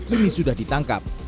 kini sudah ditangkap